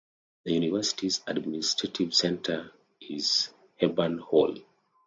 The University's administrative center is Hepburn Hall.